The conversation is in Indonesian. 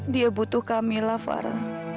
dia butuh kamilah farah